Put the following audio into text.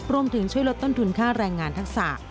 รวมถึงช่วยลดต้นทุนค่าแรงงานทักษะ